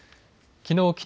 きのう